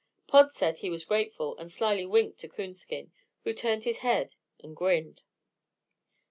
Pod said he was grateful, and slyly winked to Coonskin, who turned his head and grinned.